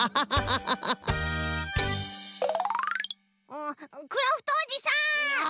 うクラフトおじさん！